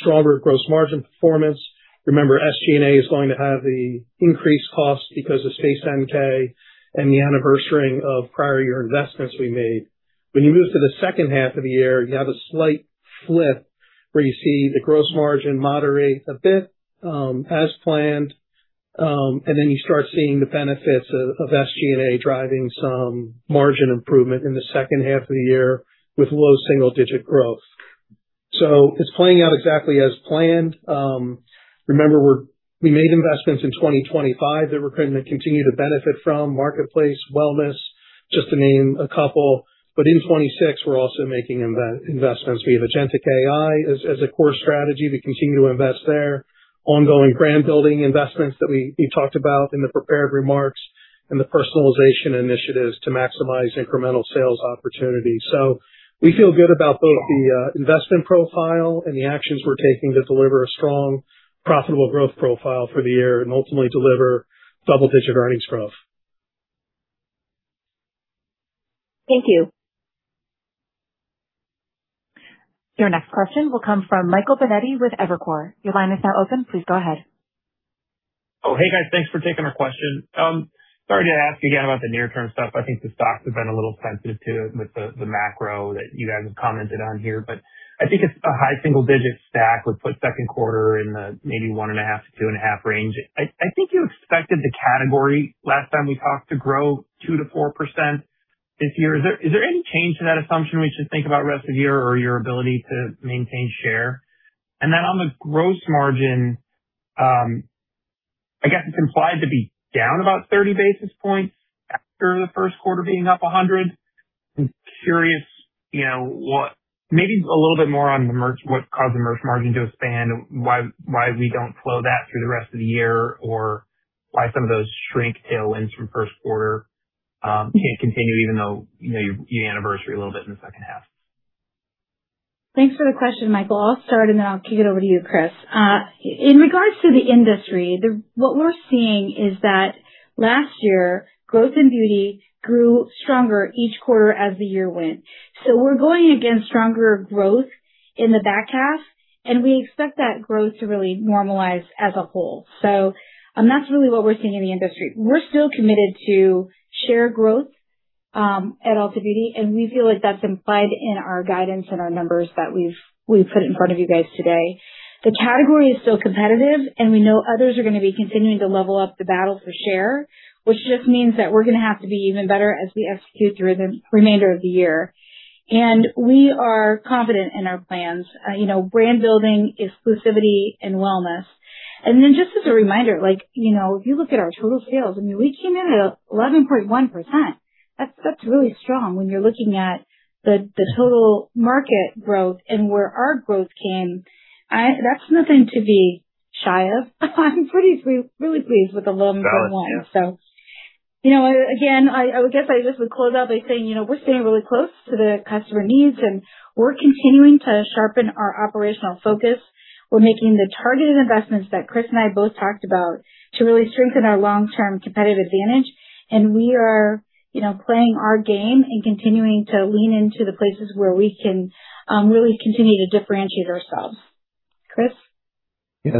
Speaker 4: stronger gross margin performance. Remember, SG&A is going to have the increased cost because of Space NK and the anniversarying of prior year investments we made. When you move to the second half of the year, you have a slight flip where you see the gross margin moderate a bit as planned. You start seeing the benefits of SG&A driving some margin improvement in the second half of the year with low single-digit growth. It's playing out exactly as planned. Remember, we made investments in 2025 that we're going to continue to benefit from, marketplace, wellness, just to name a couple. In 2026, we're also making investments. We have agentic AI as a core strategy. We continue to invest there. Ongoing brand-building investments that we talked about in the prepared remarks and the personalization initiatives to maximize incremental sales opportunities. We feel good about both the investment profile and the actions we're taking to deliver a strong, profitable growth profile for the year and ultimately deliver double-digit earnings growth.
Speaker 7: Thank you.
Speaker 1: Your next question will come from Michael Binetti with Evercore. Your line is now open. Please go ahead.
Speaker 8: Hey, guys. Thanks for taking our question. Sorry to ask you again about the near-term stuff. I think the stocks have been a little sensitive to it with the macro that you guys have commented on here. I think it's a high single-digit stack would put second quarter in the maybe 1.5%-2.5% range. I think you expected the category, last time we talked, to grow 2%-4% this year. Is there any change to that assumption we should think about rest of year or your ability to maintain share? On the gross margin, I guess it's implied to be down about 30 basis points after the first quarter being up 100 basis points. I'm curious, maybe a little bit more on what caused the merch margin to expand, why we don't flow that through the rest of the year, or why some of those shrink tailwinds from first quarter can't continue even though you anniversary a little bit in the second half?
Speaker 3: Thanks for the question, Michael. I'll start, and then I'll kick it over to you, Chris. In regards to the industry, what we're seeing is that last year, growth in beauty grew stronger each quarter as the year went. We're going against stronger growth in the back half, and we expect that growth to really normalize as a whole. That's really what we're seeing in the industry. We're still committed to share growth, at Ulta Beauty, and we feel like that's implied in our guidance and our numbers that we've put in front of you guys today. The category is still competitive, and we know others are going to be continuing to level up the battle for share, which just means that we're going to have to be even better as we execute through the remainder of the year. We are confident in our plans. Brand building, exclusivity, and wellness. Just as a reminder, if you look at our total sales, we came in at 11.1%. That's really strong when you're looking at the total market growth and where our growth came. That's nothing to be shy of. I'm really pleased with 11.1%. Again, I guess I just would close out by saying, we're staying really close to the customer needs, and we're continuing to sharpen our operational focus. We're making the targeted investments that Chris and I both talked about to really strengthen our long-term competitive advantage. We are playing our game and continuing to lean into the places where we can really continue to differentiate ourselves. Chris?
Speaker 4: Yeah.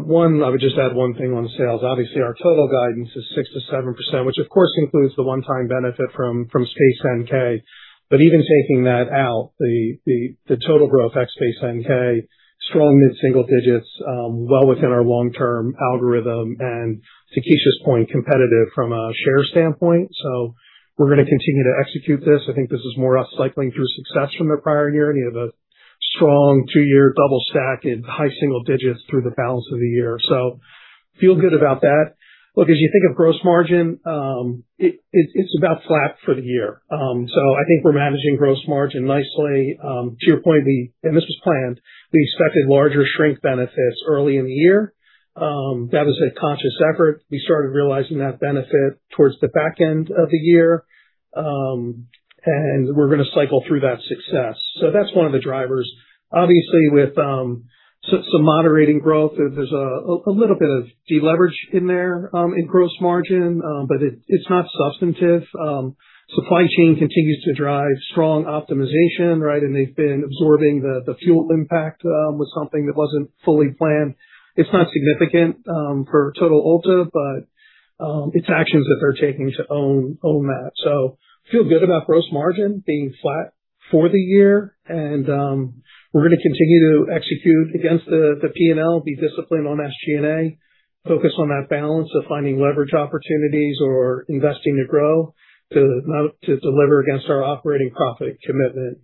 Speaker 4: One, I would just add one thing on sales. Obviously, our total guidance is 6%-7%, which of course includes the one-time benefit from Space NK. Even taking that out, the total growth at Space NK, strong mid-single digits, well within our long-term algorithm, and to Kecia's point, competitive from a share standpoint. We're going to continue to execute this. I think this is more us cycling through success from the prior year, and you have a strong two-year double stack in high single digits through the balance of the year. Feel good about that. Look, as you think of gross margin, it's about flat for the year. I think we're managing gross margin nicely. To your point, and this was planned, we expected larger shrink benefits early in the year. That was a conscious effort. We started realizing that benefit towards the back end of the year, and we're going to cycle through that success. That's one of the drivers. Obviously, with some moderating growth, there's a little bit of deleverage in there, in gross margin, but it's not substantive. Supply chain continues to drive strong optimization, right? They've been absorbing the fuel impact, with something that wasn't fully planned. It's not significant for total Ulta, but it's actions that they're taking to own that. Feel good about gross margin being flat for the year. We're going to continue to execute against the P&L, be disciplined on SG&A, focus on that balance of finding leverage opportunities or investing to grow, to deliver against our operating profit commitment.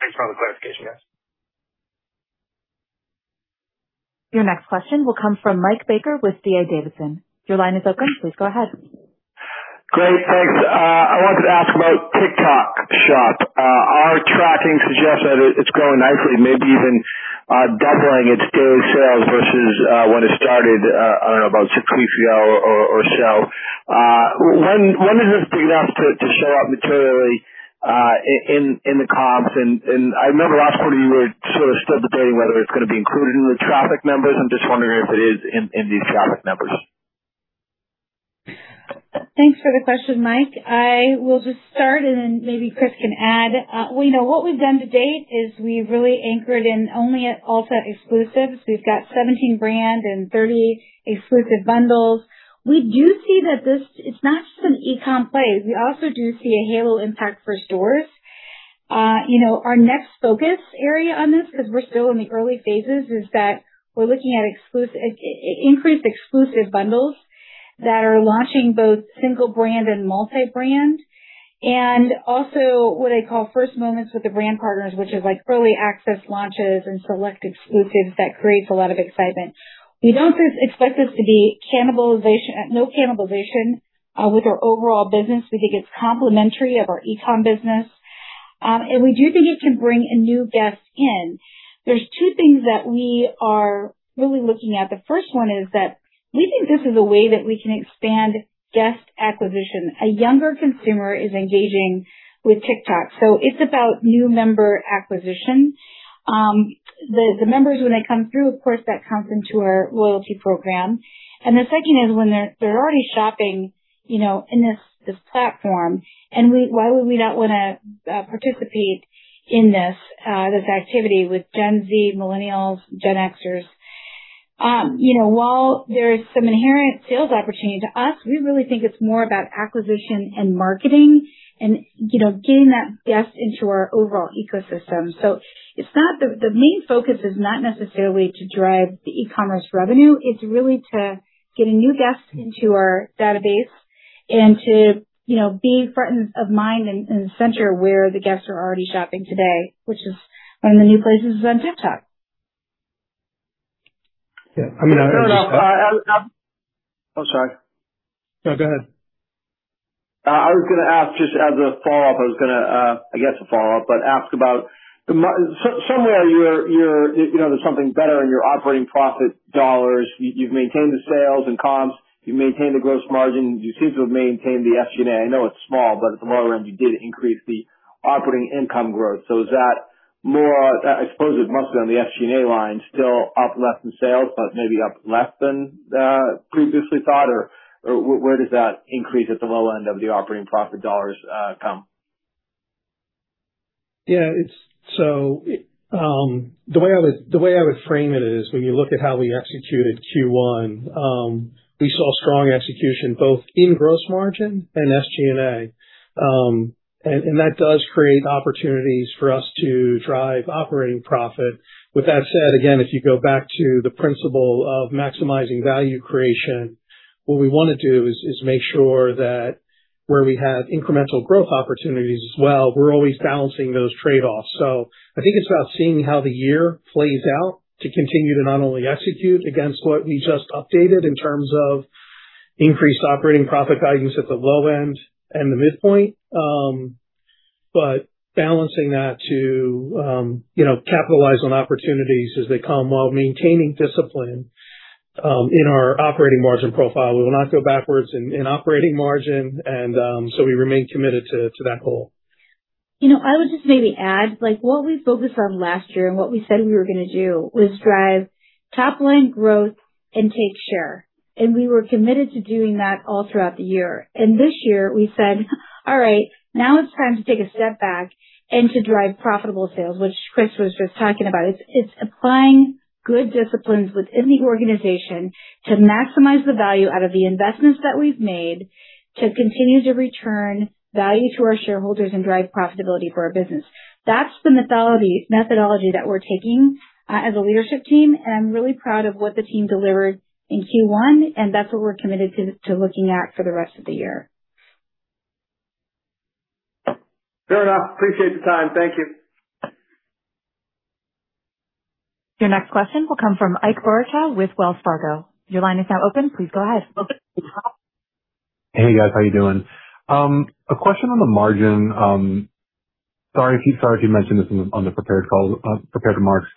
Speaker 8: Thanks for all the clarification, guys.
Speaker 1: Your next question will come from Mike Baker with D.A. Davidson. Your line is open. Please go ahead.
Speaker 9: Great. Thanks. I wanted to ask about TikTok Shop. Our tracking suggests that it's growing nicely, maybe even doubling its daily sales versus when it started, I don't know, about six weeks ago or so. When does this big enough to show up materially in the comps? I remember last quarter you were sort of still debating whether it's going to be included in the traffic numbers. I'm just wondering if it is in these traffic numbers.
Speaker 3: Thanks for the question, Mike. I will just start, then maybe Chris can add. What we've done to date is we've really anchored in only at Ulta exclusives. We've got 17 brands and 30 exclusive bundles. We do see that it's not just an e-com play. We also do see a halo impact for stores. Our next focus area on this, because we're still in the early phases, is that we're looking at increased exclusive bundles that are launching both single brand and multi-brand, also what I call first moments with the brand partners, which is like early access launches and select exclusives that creates a lot of excitement. We don't expect this to be cannibalization, no cannibalization with our overall business. We think it's complementary of our e-com business. We do think it can bring new guests in. There's two things that we are really looking at. The first one is that we think this is a way that we can expand guest acquisition. A younger consumer is engaging with TikTok, it's about new member acquisition. The members when they come through, of course, that comes into our loyalty program. The second is when they're already shopping in this platform. Why would we not want to participate in this activity with Gen Z, Millennials, Gen Xers? While there is some inherent sales opportunity, to us, we really think it's more about acquisition and marketing and getting that guest into our overall ecosystem. The main focus is not necessarily to drive the e-commerce revenue. It's really to get a new guest into our database and to be front of mind and center where the guests are already shopping today, which is one of the new places is on TikTok.
Speaker 4: Yeah. I mean.
Speaker 9: Fair enough.
Speaker 4: Oh, sorry. No, go ahead.
Speaker 9: I was going to ask, just as a follow-up, I guess a follow-up, ask about somewhere there's something better in your operating profit dollars. You've maintained the sales and comps. You've maintained the gross margin. You seem to have maintained the SG&A. I know it's small, at the lower end, you did increase the operating income growth. I suppose it must be on the SG&A line, still up less than sales, maybe up less than previously thought, or where does that increase at the low end of the operating profit dollars come?
Speaker 4: The way I would frame it is when you look at how we executed Q1, we saw strong execution both in gross margin and SG&A. That does create opportunities for us to drive operating profit. With that said, again, if you go back to the principle of maximizing value creation, what we want to do is make sure that where we have incremental growth opportunities as well, we're always balancing those trade-offs. I think it's about seeing how the year plays out to continue to not only execute against what we just updated in terms of increased operating profit guidance at the low end and the midpoint, but balancing that to capitalize on opportunities as they come while maintaining discipline in our operating margin profile. We will not go backwards in operating margin. We remain committed to that goal.
Speaker 3: I would just maybe add, what we focused on last year and what we said we were going to do was drive top-line growth and take share. We were committed to doing that all throughout the year. This year we said, "All right, now it's time to take a step back and to drive profitable sales," which Chris was just talking about. It's applying good disciplines within the organization to maximize the value out of the investments that we've made to continue to return value to our shareholders and drive profitability for our business. That's the methodology that we're taking as a leadership team, and really proud of what the team delivered in Q1, and that's what we're committed to looking at for the rest of the year.
Speaker 9: Fair enough. Appreciate the time. Thank you.
Speaker 1: Your next question will come from Ike Boruchow with Wells Fargo. Your line is now open. Please go ahead.
Speaker 10: Hey, guys. How you doing? A question on the margin. Sorry if you mentioned this in the prepared remarks.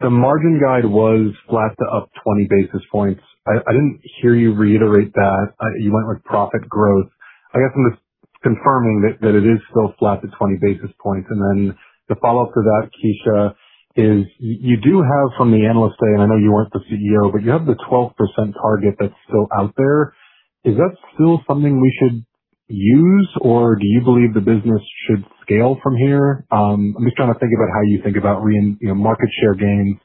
Speaker 10: The margin guide was flat to up 20 basis points. I didn't hear you reiterate that. You went with profit growth. I guess I'm just confirming that it is still flat to 20 basis points. The follow-up to that, Kecia, is you do have from the analyst side, and I know you weren't the CEO, but you have the 12% target that's still out there. Is that still something we should use, or do you believe the business should scale from here? I'm just trying to think about how you think about market share gains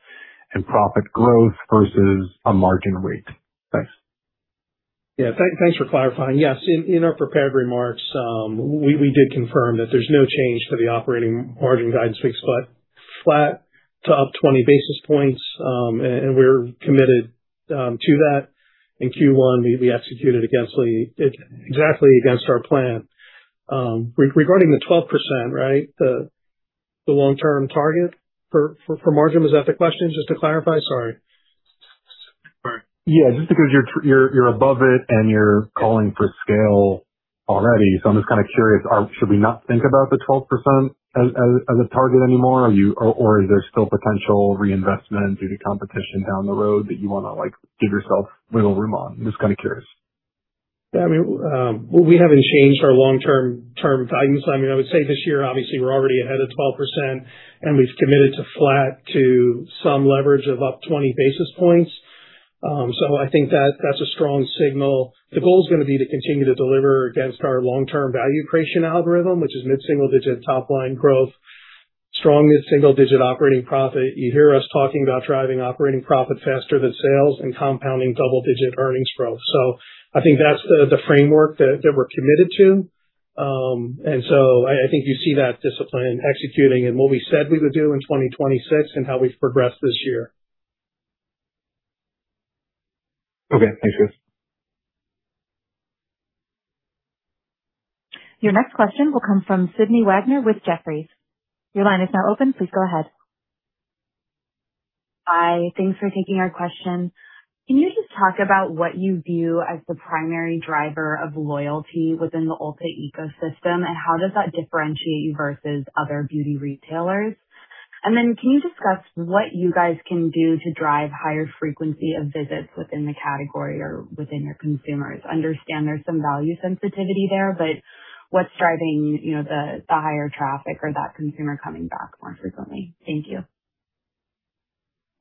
Speaker 10: and profit growth versus a margin rate. Thanks.
Speaker 4: Yeah. Thanks for clarifying. Yes. In our prepared remarks, we did confirm that there's no change to the operating margin guidance. We expect flat to up 20 basis points, and we're committed to that. In Q1, we executed exactly against our plan. Regarding the 12%, right, the long-term target for margin, is that the question, just to clarify? Sorry.
Speaker 10: Yeah. Just because you're above it and you're calling for scale already. I'm just kind of curious, should we not think about the 12% as a target anymore? Or is there still potential reinvestment due to competition down the road that you want to give yourself a little room on? I'm just kind of curious.
Speaker 4: Yeah. Well, we haven't changed our long-term guidance. I would say this year, obviously, we're already ahead of 12%, and we've committed to flat to some leverage of up 20 basis points. I think that's a strong signal. The goal is going to be to continue to deliver against our long-term value creation algorithm, which is mid-single digit top-line growth, strong single-digit operating profit. You hear us talking about driving operating profit faster than sales and compounding double-digit earnings growth. I think that's the framework that we're committed to. I think you see that discipline executing and what we said we would do in 2026 and how we've progressed this year.
Speaker 10: Okay. Thanks, guys.
Speaker 1: Your next question will come from Sydney Wagner with Jefferies. Your line is now open. Please go ahead.
Speaker 11: Hi. Thanks for taking our question. Can you just talk about what you view as the primary driver of loyalty within the Ulta ecosystem? How does that differentiate you versus other beauty retailers? Can you discuss what you guys can do to drive higher frequency of visits within the category or within your consumers? Understand there's some value sensitivity there, but what's driving the higher traffic or that consumer coming back more frequently? Thank you.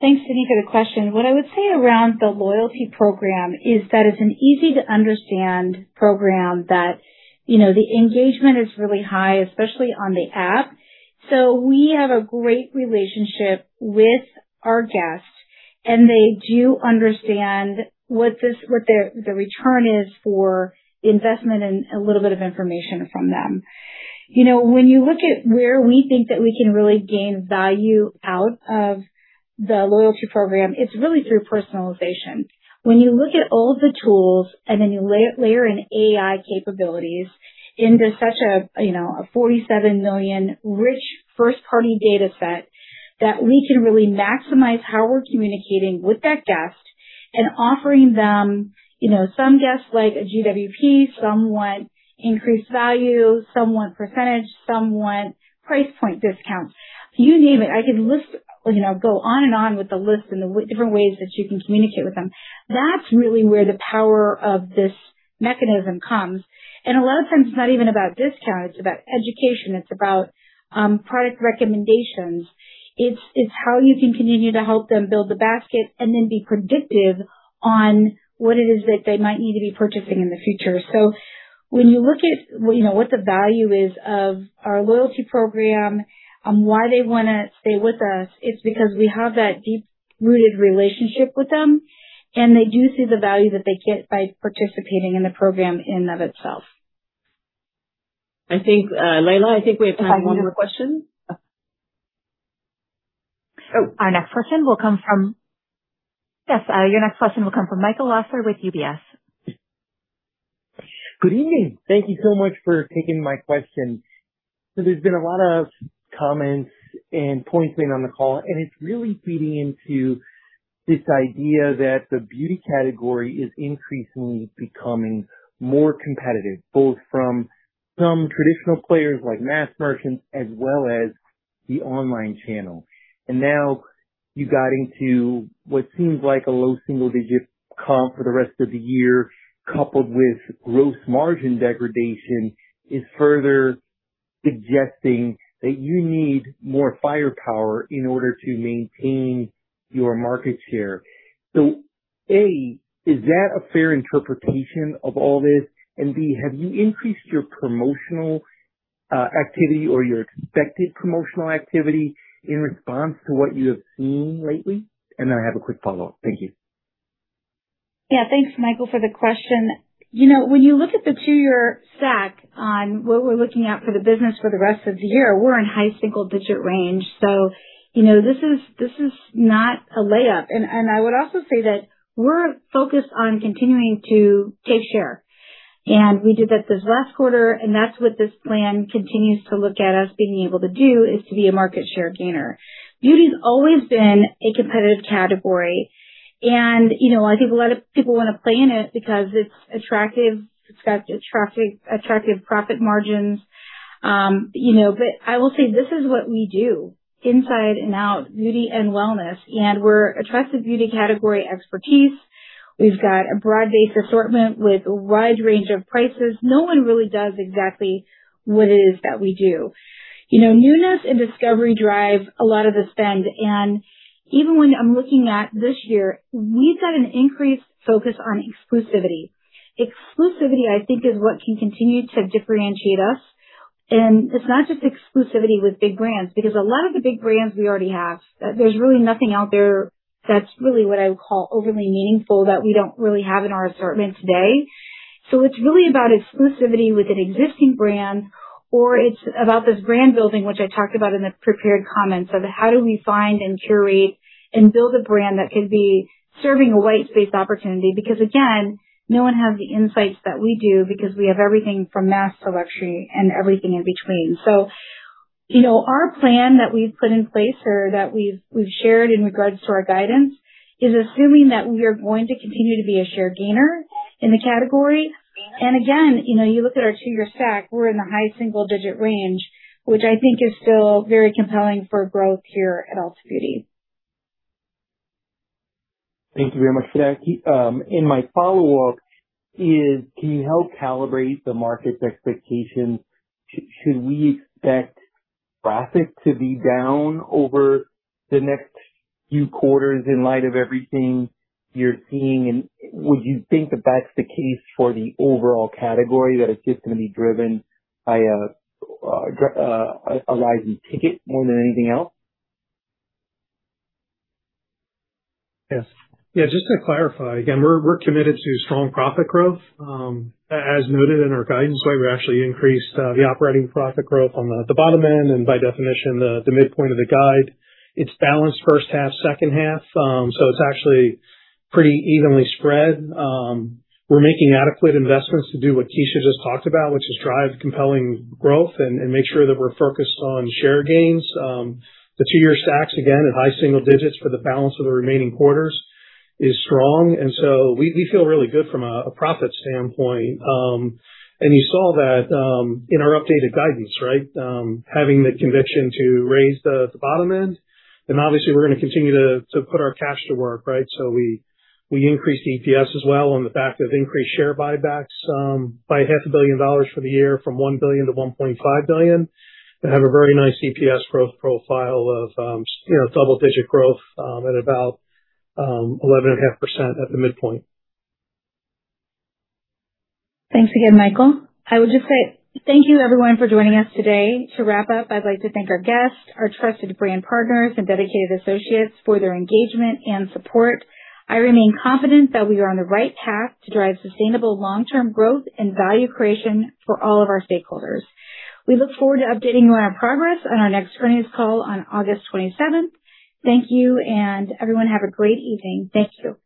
Speaker 3: Thanks, Sydney, for the question. What I would say around the loyalty program is that it's an easy-to-understand program that the engagement is really high, especially on the app. We have a great relationship with our guests, and they do understand what the return is for investment and a little bit of information from them. When you look at where we think that we can really gain value out of the loyalty program, it's really through personalization. When you look at all of the tools, and then you layer in AI capabilities into such a 47 million rich first-party data set, that we can really maximize how we're communicating with that guest and offering them, some guests like a GWP, some want increased value, some want percentage, some want price point discounts. You name it. I could go on and on with the list and the different ways that you can communicate with them. That's really where the power of this mechanism comes. A lot of times, it's not even about discount, it's about education, it's about product recommendations. It's how you can continue to help them build the basket and then be predictive on what it is that they might need to be purchasing in the future. When you look at what the value is of our loyalty program, why they want to stay with us, it's because we have that deep-rooted relationship with them, and they do see the value that they get by participating in the program in and of itself.
Speaker 2: Layla, I think we have time for one more question.
Speaker 1: Your next question will come from Michael Lasser with UBS.
Speaker 12: Good evening. Thank you so much for taking my question. There's been a lot of comments and points made on the call, and it's really feeding into this idea that the beauty category is increasingly becoming more competitive, both from some traditional players like mass merchants as well as the online channel. Now you got into what seems like a low single-digit comp for the rest of the year, coupled with gross margin degradation, is further suggesting that you need more firepower in order to maintain your market share. A, is that a fair interpretation of all this? B, have you increased your promotional activity or your expected promotional activity in response to what you have seen lately? I have a quick follow-up. Thank you.
Speaker 3: Yeah. Thanks, Michael, for the question. When you look at the two-year stack on what we're looking at for the business for the rest of the year, we're in high single-digit range, so this is not a layup. I would also say that we're focused on continuing to take share. We did that this last quarter, and that's what this plan continues to look at us being able to do, is to be a market share gainer. Beauty's always been a competitive category, and a lot of people want to play in it because it's attractive. It's got attractive profit margins. I will say this is what we do inside and out, beauty and wellness, and we're attractive beauty category expertise. We've got a broad-based assortment with a wide range of prices. No one really does exactly what it is that we do. Newness and discovery drive a lot of the spend. Even when I'm looking at this year, we've got an increased focus on exclusivity. Exclusivity, I think, is what can continue to differentiate us. It's not just exclusivity with big brands, because a lot of the big brands we already have. There's really nothing out there that's really what I would call overly meaningful that we don't really have in our assortment today. It's really about exclusivity with an existing brand, or it's about this brand building, which I talked about in the prepared comments, of how do we find and curate and build a brand that could be serving a white space opportunity. Again, no one has the insights that we do because we have everything from mass to luxury and everything in between. Our plan that we've put in place or that we've shared in regards to our guidance is assuming that we are going to continue to be a share gainer in the category. Again, you look at our two-year stack, we're in the high single-digit range, which I think is still very compelling for growth here at Ulta Beauty.
Speaker 12: Thank you very much for that. My follow-up is, can you help calibrate the market's expectations? Should we expect traffic to be down over the next few quarters in light of everything you're seeing? Would you think that that's the case for the overall category, that it's just going to be driven by a rising ticket more than anything else?
Speaker 3: Yes.
Speaker 4: Yeah, just to clarify, again, we're committed to strong profit growth. As noted in our guidance, we actually increased the operating profit growth on the bottom end and by definition, the midpoint of the guide. It's balanced first half, second half. It's actually pretty evenly spread. We're making adequate investments to do what Kecia just talked about, which is drive compelling growth and make sure that we're focused on share gains. The two-year stacks, again, in high single digits for the balance of the remaining quarters is strong. We feel really good from a profit standpoint. You saw that in our updated guidance, right? Having the conviction to raise the bottom end. Obviously, we're going to continue to put our cash to work, right? We increased EPS as well on the back of increased share buybacks by $500 million for the year, from $1 billion to $1.5 billion, and have a very nice EPS growth profile of double-digit growth at about 11.5% at the midpoint.
Speaker 3: Thanks again, Michael. I would just say thank you, everyone, for joining us today. To wrap up, I'd like to thank our guests, our trusted brand partners, and dedicated associates for their engagement and support. I remain confident that we are on the right path to drive sustainable long-term growth and value creation for all of our stakeholders. We look forward to updating you on our progress on our next earnings call on August 27th. Thank you. Everyone have a great evening. Thank you.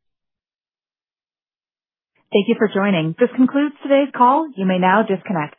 Speaker 1: Thank you for joining. This concludes today's call. You may now disconnect.